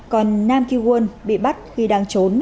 còn nam ki won bị bắt khi đang trốn